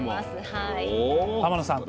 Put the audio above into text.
天野さん